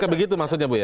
begitu maksudnya bu ya